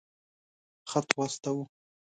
خط واستاوه.